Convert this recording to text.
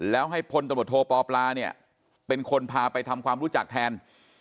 แล้วให้พลตบทโทปปลาเป็นคนพาไปทำความรู้จักแทน